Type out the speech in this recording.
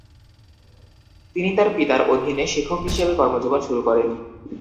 তিনি তার পিতার অধীনে শিক্ষক হিসেবে কর্মজীবন শুরু করেন।